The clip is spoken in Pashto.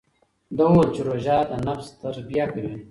ده وویل چې روژه د نفس تربیه کوي.